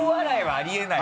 あり得ない。